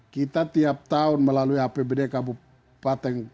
kita tiap tahun melalui apbd kabupaten